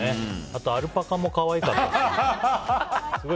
あとアルパカも可愛かった。